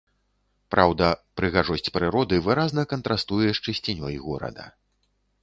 Праўда, прыгажосць прыроды выразна кантрастуе з чысцінёй горада.